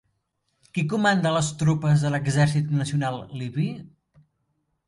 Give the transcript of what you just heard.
Qui comanda les tropes de l'Exèrcit Nacional Libi?